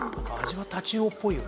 「タチウオっぽいよね」